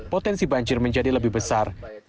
potensi banjir menjadi lebih besar